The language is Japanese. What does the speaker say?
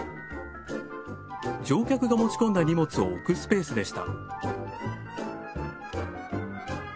乗客が持ち込んだ荷物を置くスペースでした。